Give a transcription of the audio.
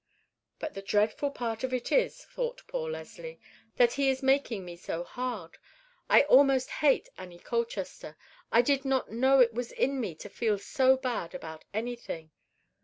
"But the dreadful part of it is," thought poor Leslie, "that He is making me so hard. I almost hate Annie Colchester. I did not know it was in me to feel so bad about anything.